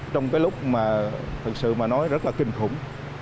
trong cái lúc mà thực sự mà nói rất là kinh khủng